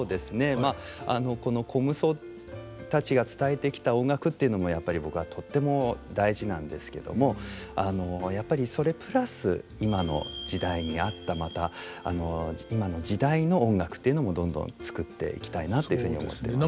まあこの虚無僧たちが伝えてきた音楽っていうのもやっぱり僕はとっても大事なんですけどもやっぱりそれプラス今の時代に合ったまた今の時代の音楽というのもどんどん作っていきたいなっていうふうに思ってます。